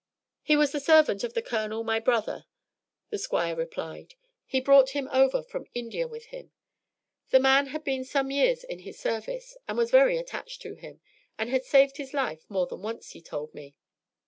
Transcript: "He was the servant of the Colonel, my brother," the Squire replied. "He brought him over from India with him. The man had been some years in his service, and was very attached to him, and had saved his life more than once, he told me.